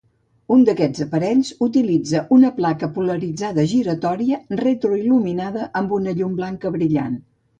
Un d'aquests aparells utilitza una placa polaritzada giratòria retroil·luminada amb una llum blanca brillant.